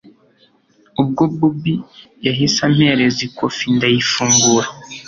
ubwo bobi yahise ampereza ikofi ndayifungura